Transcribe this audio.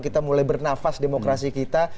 kita mulai bernafas demokrasi kita